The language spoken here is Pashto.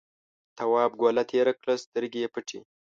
تواب گوله تېره کړه سترګې یې پټې.